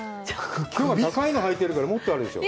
高いのを履いてるからもっとあるでしょう。